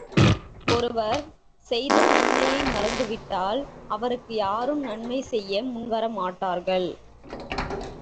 ஒருவர் செய்த நன்மையை மறந்து விட்டால், அவருக்கு யாரும் நன்மை செய்ய முன்வர மாட்டார்கள்.